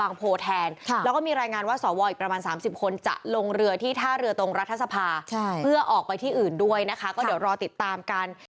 แล้วก็มีรายงานว่าสวอีกประมาณ๓๐คนจะลงเรือที่ท่าเรือตรงรัฐสภาเพื่อออกไปที่อื่นด้วยนะคะก็เดี๋ยวรอติดตามกัน